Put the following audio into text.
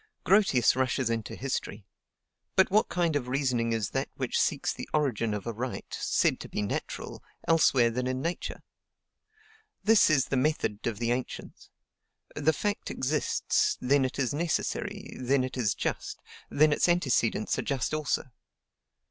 Grotius rushes into history; but what kind of reasoning is that which seeks the origin of a right, said to be natural, elsewhere than in Nature? This is the method of the ancients: the fact exists, then it is necessary, then it is just, then its antecedents are just also.